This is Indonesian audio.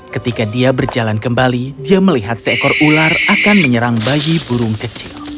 ketika dia berjalan kembali dia melihat seekor ular akan menyerang bayi burung kecil